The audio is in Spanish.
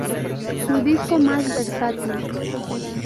Su disco más versátil.